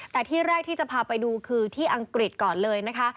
แต่ที่แรกที่จะพาไปดูคือที่อังกฤษก่อนเลยนะคะ